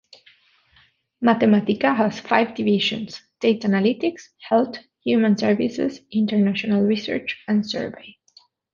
Mathematica has five divisions: data analytics, health, human services, international research, and survey.